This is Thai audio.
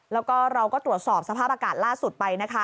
แล้วก็เราก็ตรวจสอบสภาพอากาศล่าสุดไปนะคะ